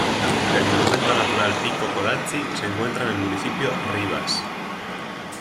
El Monumento Natural Pico Codazzi se encuentra en el municipio Ribas.